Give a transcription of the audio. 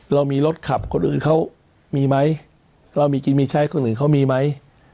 เรามีรถขับคนอื่นเขามีไหมเรามีกินมีใช้คนอื่นเขามีไหม